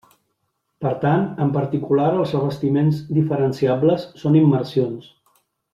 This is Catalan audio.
Per tant, en particular els revestiments diferenciables són immersions.